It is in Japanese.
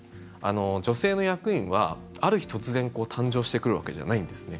女性の役員はある日突然誕生してくるわけじゃないんですね。